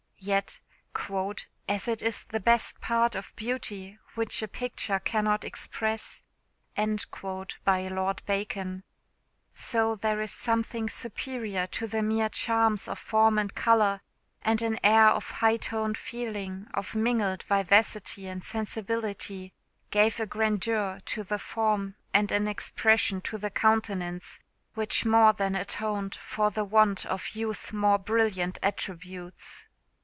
Yet, "as it is the best part of beauty which a picture cannot express," so there is something superior to the mere charms of form and colour; and an air of high toned feeling, of mingled vivacity and sensibility, gave a grandeur to the form and an expression to the countenance which more than atoned for the want of youth's more brilliant attributes.